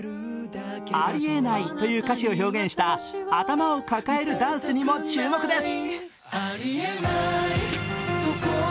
ありえないという歌詞を表現した頭を抱えるダンスにも注目です。